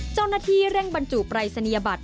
เจ้าหน้าที่เร่งบรรจุปรายศนียบัตร